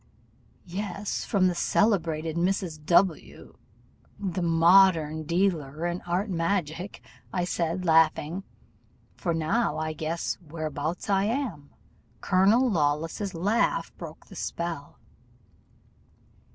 "'Yes! from the celebrated Mrs. W , the modern dealer in art magic,' said I, laughing, 'for, now I guess whereabouts I am. Colonel Lawless's laugh broke the spell.